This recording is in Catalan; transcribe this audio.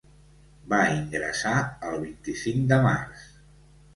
Va ingressar el vint-i-cinc de març.